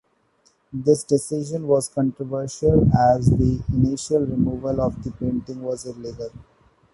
This decision was controversial, as the initial removal of the painting was illegal.